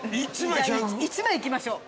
１枚いきましょう。